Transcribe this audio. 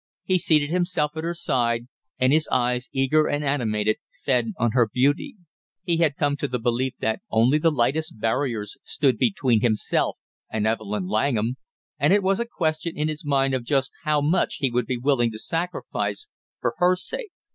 He seated himself at her side, and his eyes, eager and animated, fed on her beauty. He had come to the belief that only the lightest barriers stood between himself and Evelyn Langham, and it was a question in his mind of just how much he would be willing to sacrifice for her sake.